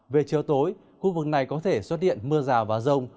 về chiều tối khu vực này có thể xuất hiện mưa rào và rông